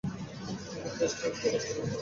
আমার best friend বলে তোমাকে বলছি না।